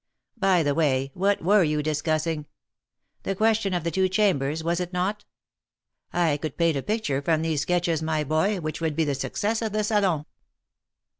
By the way, what were you discuss ing? The question of the two chambers, was it not? I could paint a picture from these sketches, my boy, which would be the success of the Salon."